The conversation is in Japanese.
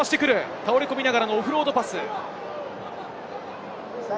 倒れ込みながらのオフロードパス。